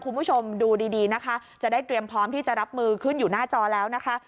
คุณผู้ชมดูดีดีนะคะจะได้เตรียมพร้อมที่จะรับมือขึ้นอยู่หน้าจอแล้วนะคะ